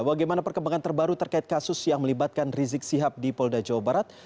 bagaimana perkembangan terbaru terkait kasus yang melibatkan rizik sihab di polda jawa barat